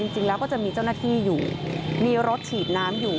จริงแล้วก็จะมีเจ้าหน้าที่อยู่มีรถฉีดน้ำอยู่